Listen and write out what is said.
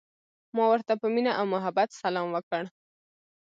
ما ورته په مینه او محبت سلام وکړ.